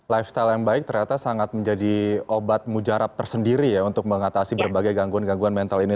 lifestyle yang baik ternyata sangat menjadi obat mujarab tersendiri ya untuk mengatasi berbagai gangguan gangguan mental ini